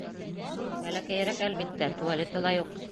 Бәләкәйерәк, әлбиттә, туалеты ла юҡ.